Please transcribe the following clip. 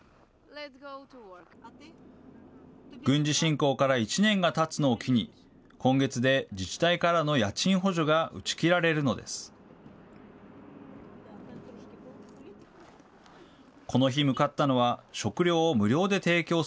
軍事侵攻から１年がたつのを機に、今月で自治体からの家賃補助が打ち切られるのです。